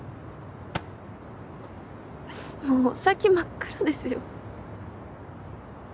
もうお先真っ暗ですよ。